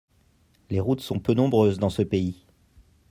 Les routes sont peu nombreuses dans ce pays.